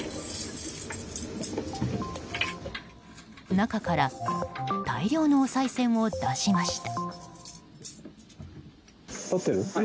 中から大量のおさい銭を出しました。